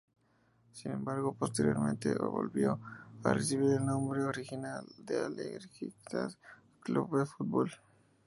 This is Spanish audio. Sin embargo, posteriormente volvió a recibir el nombre original de Algeciras Club de Fútbol.